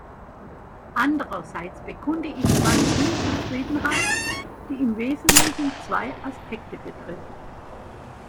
Andererseits bekunde ich meine Unzufriedenheit, die im Wesentlichen zwei Aspekte betrifft.